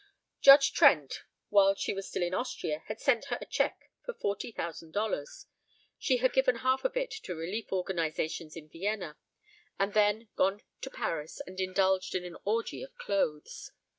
Judge Trent, while she was still in Austria, had sent her a cheque for forty thousand dollars. She had given half of it to relief organizations in Vienna, and then gone to Paris and indulged in an orgy of clothes.